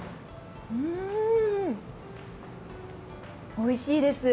おいしいです。